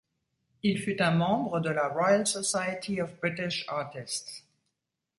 Il fut un membre de la Royal Society of British Artists.